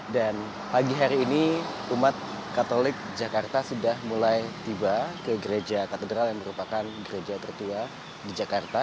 dan pagi hari ini umat katolik jakarta sudah mulai tiba ke gereja katedral yang merupakan gereja tertua di jakarta